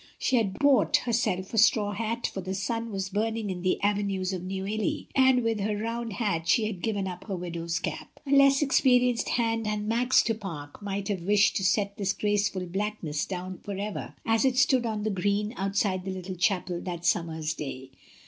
She had bought herself a straw hat, for the sun was burning in the avenues of Neuilly, and with her round hat she had given up her widow's cap. A less experienced hand than Max du Pare might have wished to set this graceful blackness down for ever as it stood on the green outside the little chapel that summer's day.